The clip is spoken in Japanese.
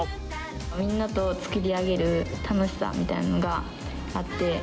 みんなと作り上げる楽しさみたいなのがあって。